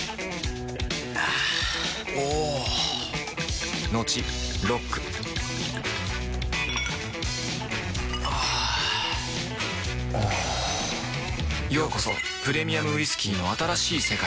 あぁおぉトクトクあぁおぉようこそプレミアムウイスキーの新しい世界へ